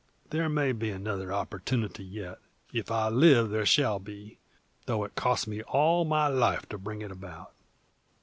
There may be another opportunity yet. If I live there shall be, though it cost me all my life to bring it about."